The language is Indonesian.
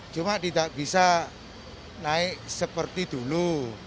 cuma tidak bisa naik seperti dulu